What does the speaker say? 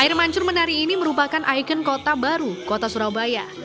air mancur menari ini merupakan ikon kota baru kota surabaya